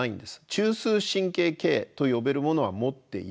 中枢神経系と呼べるものは持っていない。